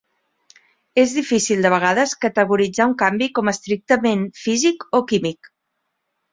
És difícil de vegades categoritzar un canvi com estrictament físic o químic.